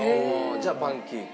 じゃあパンケーキ。